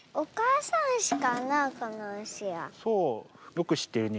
よくしってるね。